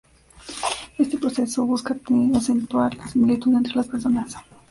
Este proceso busca acentuar la similitud entre las personas.